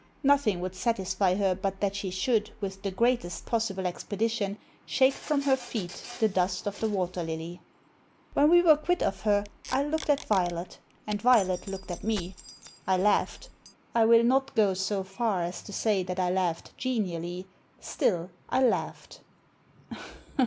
Nothing would satisfy her but that she should, with the greatest possible expedition, shake from her feet the dust of the Water Lily, When we were quit of her I looked at Violet and Violet looked at me. I laughed. I will not go so far as to say that I laughed genially; still, I laughed.